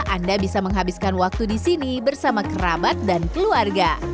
anda bisa menghabiskan waktu di sini bersama kerabat dan keluarga